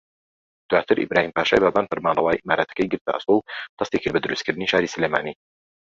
دواتر ئیبراھیم پاشای بابان فەرمانڕەوایی ئیمارەتەکەی گرتە ئەستۆ و دەستیکرد بە دروستکردنی شاری سلێمانی